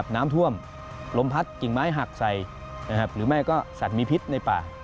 น้ำท่วมลมพัดกิ่งไม้หักใส่หรือไม่ก็สัตว์มีพิษในป่า